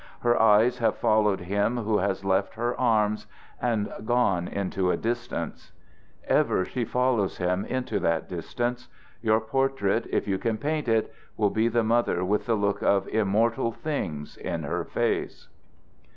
Her eyes have followed him who has left her arms and gone into a distance. Ever she follows him into that distance. Your portrait, if you can paint it, will be the mother with the look of immortal things in her face."